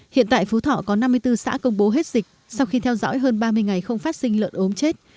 hiện tại phú thọ có năm mươi bốn xã công bố hết dịch sau khi theo dõi hơn ba mươi ngày không phát sinh lợn ốm chết